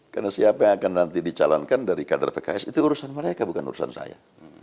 karena siapa yang akan nanti dicalonkan dari kader pks itu urusan mereka bukan urusan saya